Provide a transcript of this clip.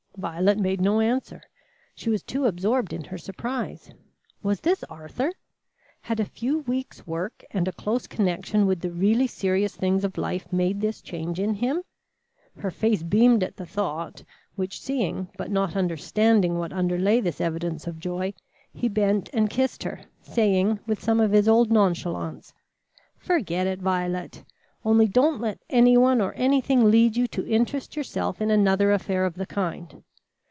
Violet made no answer; she was too absorbed in her surprise. Was this Arthur? Had a few weeks' work and a close connection with the really serious things of life made this change in him? Her face beamed at the thought, which seeing, but not understanding what underlay this evidence of joy, he bent and kissed her, saying with some of his old nonchalance: "Forget it, Violet; only don't let anyone or anything lead you to interest yourself in another affair of the kind.